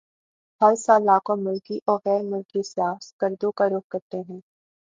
ہر سال لاکھوں ملکی وغیر ملکی سیاح سکردو کا رخ کرتے ہیں